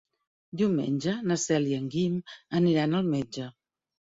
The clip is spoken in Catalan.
Diumenge na Cel i en Guim aniran al metge.